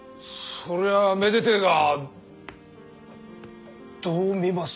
そりゃあめでてえがどう見ます？